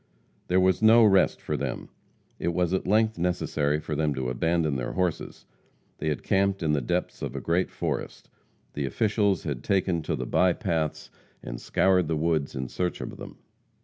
There was no rest for them. It was at length necessary for them to abandon their horses. They had camped in the depths of a great forest. The officials had taken to the by paths and scoured the woods in search of them.